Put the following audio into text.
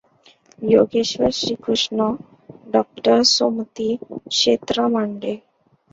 योगेश्वर श्रीकृष्ण डॉ. सुमती क्षेत्रमाडे